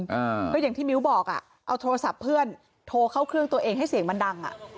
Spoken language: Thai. อ่าก็อย่างที่มิ้วบอกอ่ะเอาโทรศัพท์เพื่อนโทรเข้าเครื่องตัวเองให้เสียงมันดังอ่ะ